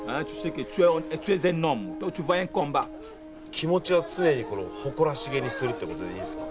気持ちは常に誇らしげにするという事でいいですか？